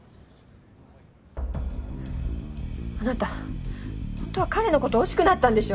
あなたほんとは彼のこと惜しくなったんでしょ？